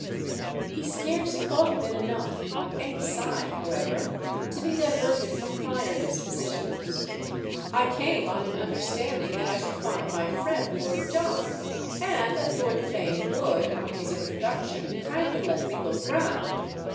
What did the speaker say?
He scarce thought of it enough, on any side, however, to be diverted from prior dispositions. "I came on an understanding that I should find my friend Lord John, and that Lord Theign would, on his introduction, kindly let me look round.